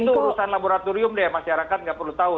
itu urusan laboratorium deh masyarakat nggak perlu tahu